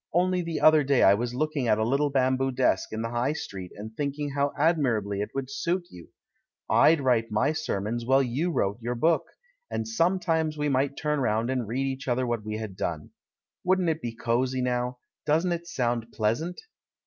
Only the other day I was looking at a little bamboo desk in the High Street, and think ing how admirably it would suit you. Td write my sermons while you wrote your book, and sometimes we might turn round and read each other what we had done. Wouldn't it be cosy, now? Doesn't it sound pleasant?"